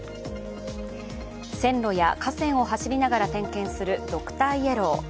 線路や架線を走りながら点検するドクターイエロー。